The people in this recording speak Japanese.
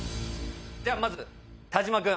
じゃあまず田島君。